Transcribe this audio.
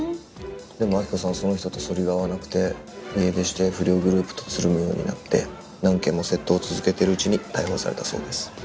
でも亜希子さんはその人とそりが合わなくて家出して不良グループとつるむようになって何件も窃盗を続けているうちに逮捕されたそうです。